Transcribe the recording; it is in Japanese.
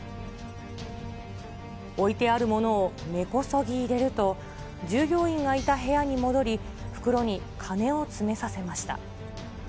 置いてあるものを根こそぎ入れると、従業員がいた部屋に戻り、袋に金を詰めさせました。